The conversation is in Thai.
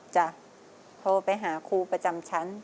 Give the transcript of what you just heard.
โทรไปหาครูประจำชั้น